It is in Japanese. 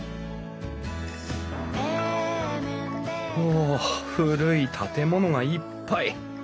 お古い建物がいっぱい。